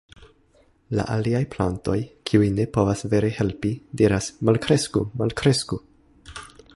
La aliaj plantoj, kiuj ne povas vere helpi, diras: "Malkresku! Malkresku!".